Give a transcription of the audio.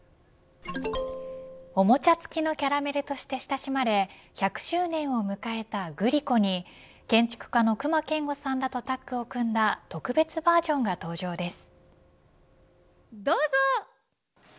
おもちゃ付きのキャラメルとして親しまれ１００周年を迎えたグリコに建築家の隈研吾さんとタッグを組んだ特別バージョンが登場です。